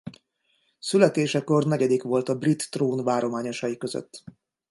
Születésekor negyedik volt a brit trón várományosai között.